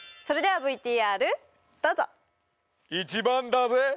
それではＶＴＲどうぞ！